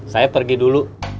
saya pergi dulu